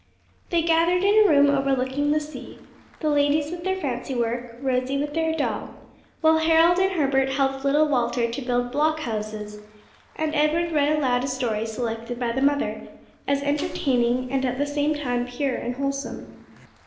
They gathered in a room overlooking the sea, the ladies with their fancy work, Rosie with her doll, while Harold and Herbert helped little Walter to build block houses, and Edward read aloud a story selected by the mother, as entertaining and at the same time pure and wholesome.